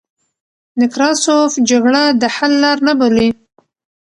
نکراسوف جګړه د حل لار نه بولي.